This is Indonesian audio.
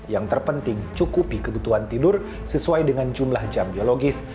yang terpenting cukupi kebutuhan tidur sesuai dengan jumlah jam biologis